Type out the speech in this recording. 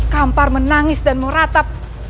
kampar menangis dan meratap